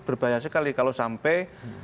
berbahaya sekali kalau sampai